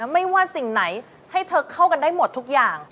ไม่ว่าสิ่งไหนให้เธอเข้ากันได้หมดทุกอย่าง